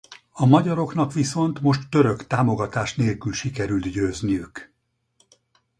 A magyaroknak viszont most török támogatás nélkül sikerült győzniük.